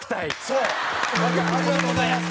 ありがとうございます。